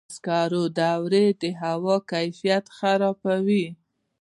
د سکرو دوړې د هوا کیفیت خرابوي.